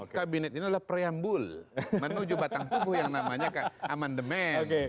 kabinet ini adalah preambul menuju batang tubuh yang namanya ke aman demand